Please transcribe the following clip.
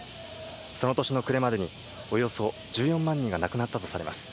その年の暮れまでにおよそ１４万人が亡くなったとされます。